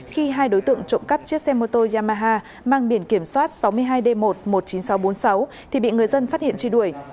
khi hai đối tượng trộm cắp chiếc xe mô tô yamaha mang biển kiểm soát sáu mươi hai d một một mươi chín nghìn sáu trăm bốn mươi sáu thì bị người dân phát hiện truy đuổi